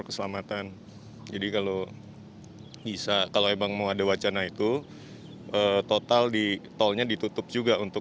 keselamatan jadi kalau bisa kalau emang mau ada wacana itu total di tolnya ditutup juga untuk